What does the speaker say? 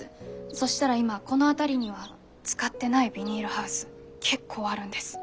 そしたら今この辺りには使ってないビニールハウス結構あるんです。